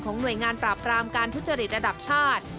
หน่วยงานปราบรามการทุจริตระดับชาติ